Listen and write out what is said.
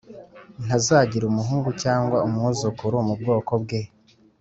ntazagira umuhungu cyangwa umwuzukuru mu bwoko bwe,